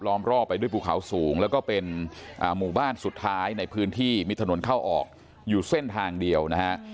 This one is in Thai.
รอบไปด้วยภูเขาสูงแล้วก็เป็นหมู่บ้านสุดท้ายในพื้นที่มีถนนเข้าออกอยู่เส้นทางเดียวนะฮะ